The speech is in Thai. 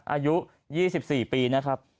อายุ๒๔ปีนะครับ